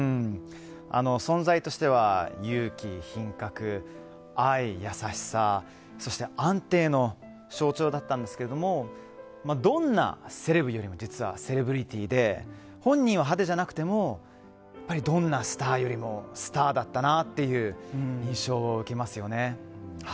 存在としては勇気、品格、愛、優しさそして安定の象徴だったんですけれどもどんなセレブよりも実はセレブリティーで本人は派手じゃなくてもやっぱりどんなスターよりもスターだったなという印象を受けますよね。